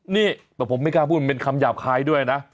นี่แต่ผมไม่กล้าพูดเป็นคำหยาบคายด้วยนะ